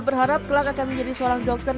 dia berharap telah akan menjadi seorang dokter